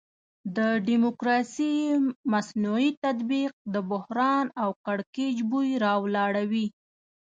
د ډیموکراسي مصنوعي تطبیق د بحران او کړکېچ بوی راولاړوي.